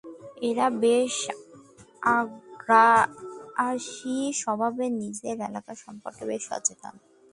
এরা বেশ আগ্রাসী স্বভাবের, নিজের এলাকা সম্পর্কে বেশ সচেতন।